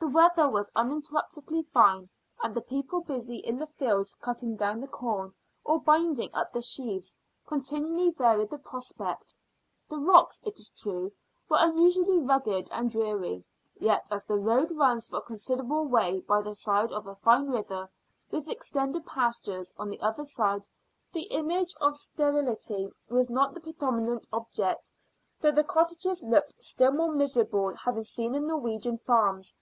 The weather was uninterruptedly fine, and the people busy in the fields cutting down the corn, or binding up the sheaves, continually varied the prospect. The rocks, it is true, were unusually rugged and dreary; yet as the road runs for a considerable way by the side of a fine river, with extended pastures on the other side, the image of sterility was not the predominant object, though the cottages looked still more miserable, after having seen the Norwegian farms.